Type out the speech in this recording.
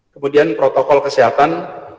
kemudian protokol kesehatan